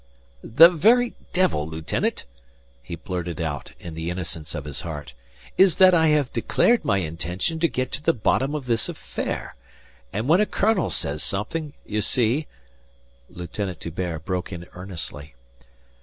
"The very devil, lieutenant!" he blurted out in the innocence of his heart, "is that I have declared my intention to get to the bottom of this affair. And when a colonel says something... you see..." Lieutenant D'Hubert broke in earnestly.